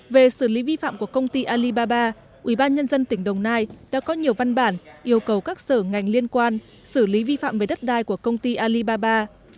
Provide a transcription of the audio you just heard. về xử lý vi phạm của công ty alibaba ủy ban nhân dân tỉnh đồng nai đã có nhiều văn bản yêu cầu các sở ngành liên quan xử lý vi phạm về đất đai của công ty alibaba